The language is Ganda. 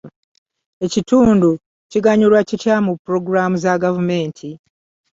Ekitundu kuganyulwa kitya mu pulogulaamu za gavumenti?